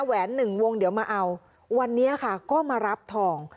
แหวนหนึ่งวงเดี๋ยวมาเอาวันนี้ค่ะก็มารับทอง